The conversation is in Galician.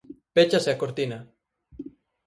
Péchase a cortina.